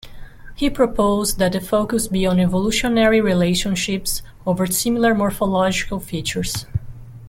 He proposed that the focus be on evolutionary relationships over similar morphological features.